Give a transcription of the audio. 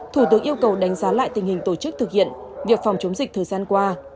thủ tướng yêu cầu đánh giá lại tình hình tổ chức thực hiện việc phòng chống dịch thời gian qua